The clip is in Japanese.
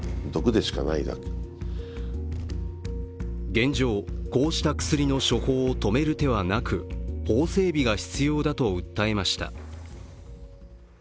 現状、こうした薬の処方を止める手はなく、法整備が必要だと訴えました。